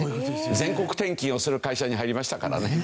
全国転勤をする会社に入りましたからね。